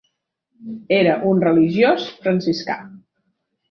Era un religiós franciscà.